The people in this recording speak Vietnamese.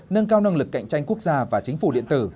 nâng cao năng lực cạnh tranh quốc gia và chính phủ điện tử